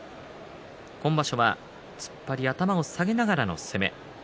今場所は突っ張りに頭を下げながらの攻め。